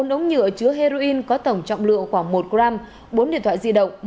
bốn ống nhựa chứa heroin có tổng trọng lượng khoảng một g bốn điện thoại di động